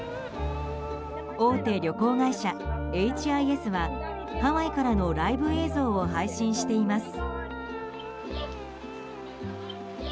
大手旅行会社ＨＩＳはハワイからのライブ映像を配信しています。